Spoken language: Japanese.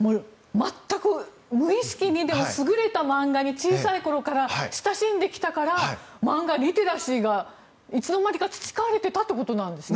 全く無意識に優れた漫画に小さい頃から親しんできたから漫画リテラシーがいつの間にか培われていたということなんですね。